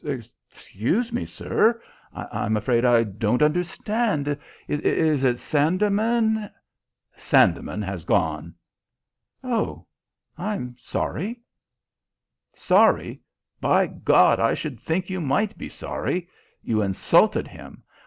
"Excuse me, sir. I'm afraid I don't understand. Is it Sandeman ?" "Sandeman has gone." "Oh, I'm sorry." "Sorry! By God, I should think you might be sorry! You insulted him.